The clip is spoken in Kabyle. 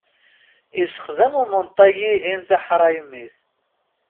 Issexdam umenṭag-ihin tiḥraymit.